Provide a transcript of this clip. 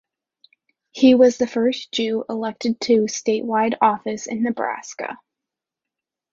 He was the first Jew elected to statewide office in Nebraska.